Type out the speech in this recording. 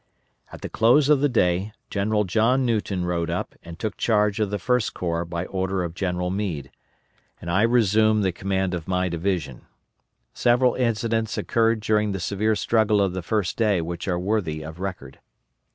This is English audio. At the close of the day General John Newton rode up and took charge of the First Corps by order of General Meade, and I resumed the command of my division. Several incidents occurred during the severe struggle of the first day which are worthy of record.